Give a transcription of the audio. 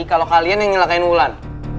kalau kalian yang ngelakain ulan